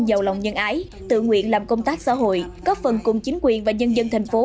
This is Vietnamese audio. giàu lòng nhân ái tự nguyện làm công tác xã hội góp phần cùng chính quyền và nhân dân thành phố